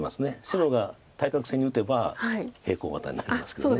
白が対角線に打てば平行型になりますけど。